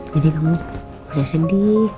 jadi kamu udah sedih